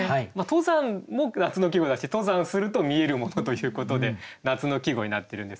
「登山」も夏の季語だし登山すると見えるものということで夏の季語になってるんですけれど。